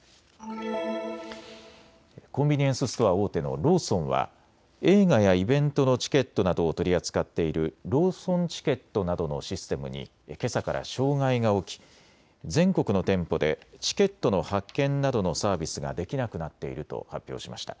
コンビニエンスストア大手のローソンは映画やイベントのチケットなどを取り扱っているローソンチケットなどのシステムにけさから障害が起き全国の店舗でチケットの発券などのサービスができなくなっていると発表しました。